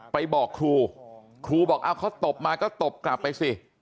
ไปบอกครูครูบอกเขาตบมาก็ตบกลับไปสิ